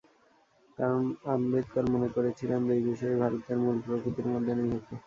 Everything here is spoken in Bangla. কারণ, আম্বেদকর মনে করেছিলেন, দুই বিষয়ই ভারতের মূল প্রকৃতির মধ্যে নিহিত।